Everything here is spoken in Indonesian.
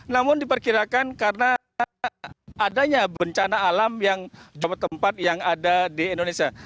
namun diperkirakan karena adanya bencana alam yang tempat tempat yang ada di indonesia